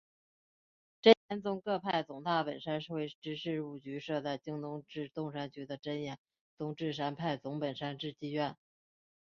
真言宗各派总大本山会之事务局设在京都市东山区的真言宗智山派总本山智积院。